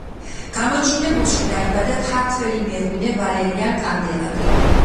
გამოჩინებულში დაიბადა ქართველი მეღვინე ვალერიან კანდელაკი.